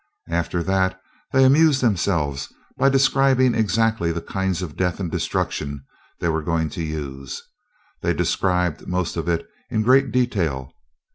After that they amused themselves by describing exactly the kinds of death and destruction they were going to use. They described most of it in great detail.